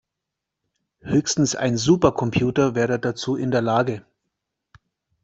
Höchstens ein Supercomputer wäre dazu in der Lage.